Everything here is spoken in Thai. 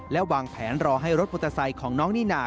และวางแผนรอให้รถมอเตอร์ไซค์ของน้องนิน่า